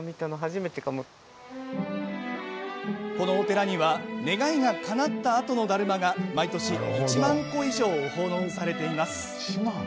このお寺には願いがかなったあとのだるまが毎年、１万個以上奉納されています。